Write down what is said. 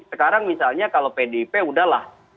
sekarang misalnya kalau pdip udahlah